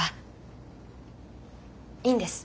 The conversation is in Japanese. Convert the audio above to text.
いいんです